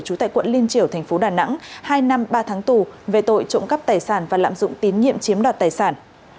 chú tại quận liên triểu tp đà nẵng hai năm ba tháng tù về tội trộm cắp tài sản và lạm dụng tín nhiệm chiếm đoạt tài sản